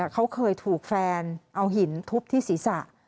เขาเคยถูกแฟนเอาหินทุบที่ศีรษะ